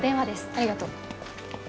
ありがとう。